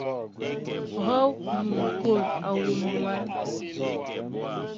Hów mi ŋgɔl awɛm mwǎn.